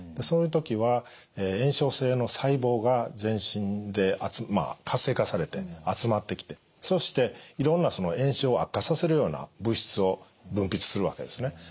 そういう時は炎症性の細胞が全身で活性化されて集まってきてそしていろんな炎症を悪化させるような物質を分泌するわけですね。